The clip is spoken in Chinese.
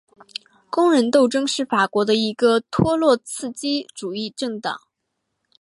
工人斗争是法国的一个托洛茨基主义政党。